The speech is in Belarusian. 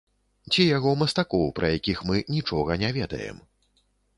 Ці яго мастакоў, пра якіх мы нічога не ведаем.